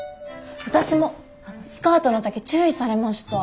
私もスカートの丈注意されました。